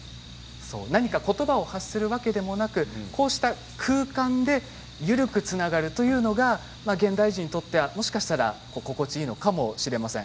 何か、ことばを発するだけでなくこうした空間で緩くつながるというのが現代人にとってはもしかしたら心地いいのかもしれません。